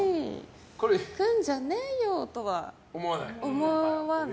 弾くんじゃねーよ！とは思わない。